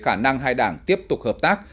về khả năng hai đảng tiếp tục hợp tác